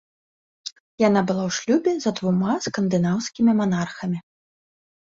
Яна была ў шлюбе за двума скандынаўскімі манархамі.